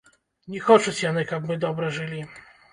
Не хочуць яны, каб мы добра жылі.